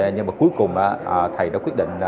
nhưng mà cuối cùng thầy đã quyết định